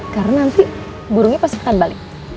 karena nanti burungnya pasti akan balik